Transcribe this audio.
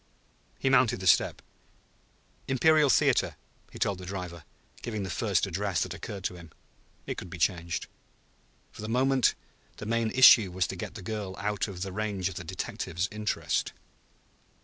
He mounted the step. "Imperial Theater," he told the driver, giving the first address that occurred to him; it could be changed. For the moment the main issue was to get the girl out of the range of the detective's interest.